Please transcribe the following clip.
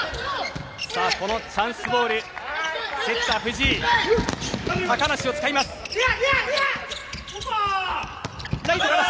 このチャンスボールセッター、藤井高梨を使います。